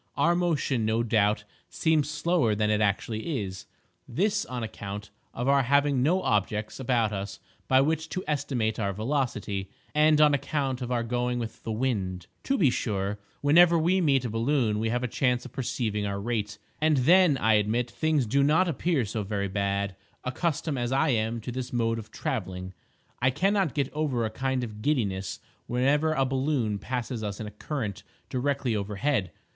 Our motion, no doubt, seems slower than it actually is—this on account of our having no objects about us by which to estimate our velocity, and on account of our going with the wind. To be sure, whenever we meet a balloon we have a chance of perceiving our rate, and then, I admit, things do not appear so very bad. Accustomed as I am to this mode of travelling, I cannot get over a kind of giddiness whenever a balloon passes us in a current directly overhead.